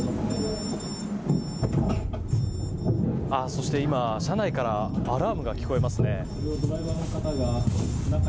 そして今、車内からアラームが聞こえますね。